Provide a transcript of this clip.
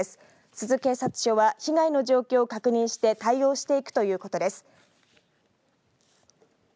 珠洲警察署は被害の状況を確認して対応していくということです。